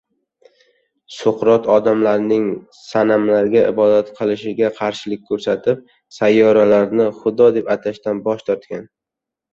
Suqrot odamlarning sanamlarga ibodat qilishiga qarshilik ko‘rsatib, sayyoralarni Xudo deb atashdan bosh tortdi.